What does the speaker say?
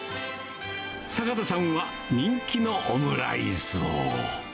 坂田さんは人気のオムライスを。